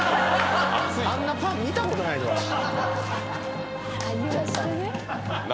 「あんなパン見たことないでわし」